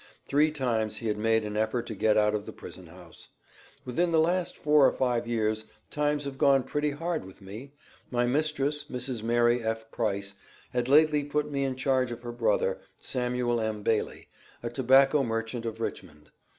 Three times he had made an effort to get out of the prison house. "Within the last four or five years, times have gone pretty hard with me. My mistress, Mrs. Mary F. Price, had lately put me in charge of her brother, Samuel M. Bailey, a tobacco merchant of Richmond.